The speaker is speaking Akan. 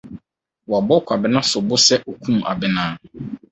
Wɔabɔ Kwabena sobo sɛ okum Abena.